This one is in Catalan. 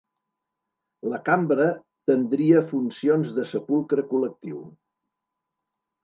La cambra tendria funcions de sepulcre col·lectiu.